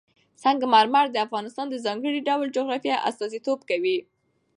سنگ مرمر د افغانستان د ځانګړي ډول جغرافیه استازیتوب کوي.